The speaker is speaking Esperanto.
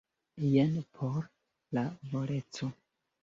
Jen por la voleco.